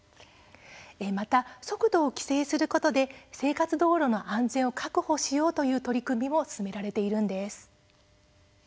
また速度を規制することで生活道路の安全を確保しようという取り組みも進められているんです。